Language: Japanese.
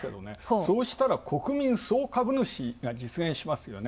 そうしたら国民総株主が実現しますよね。